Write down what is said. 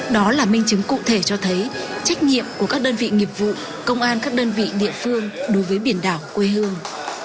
đó là minh chứng cụ thể cho thấy trách nhiệm của các đơn vị nghiệp vụ công an các đơn vị địa phương đối với biển đảo quê hương